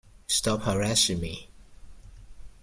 Stop harassing me!